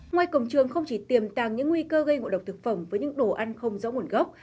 ngoài cổng trường không chỉ tiềm tàng những nguy cơ gây ngộ độc thực phẩm với những đồ ăn không rõ nguồn gốc